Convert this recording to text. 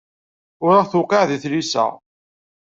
Ur aɣ-tewqiɛ di tlisa.